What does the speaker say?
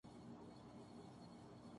رواداری بھی بڑھے گی